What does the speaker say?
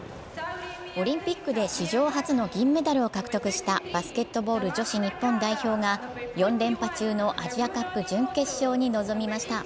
オリンピックで史上初の銀メダルを獲得したバスケットボール女子日本代表が、４連覇中のアジアカップ準決勝に臨みました。